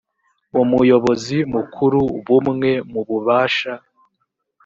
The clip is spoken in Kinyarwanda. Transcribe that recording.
umuyobozi mukuru bumwe mu bubasha